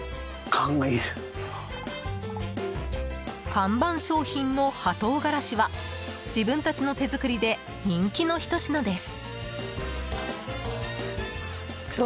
看板商品の葉唐辛子は自分たちの手作りで人気のひと品です。